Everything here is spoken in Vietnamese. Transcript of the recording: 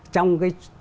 trong cái chuyện này